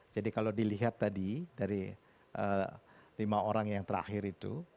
kalau dilihat tadi dari lima orang yang terakhir itu